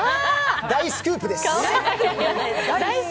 大スクープです。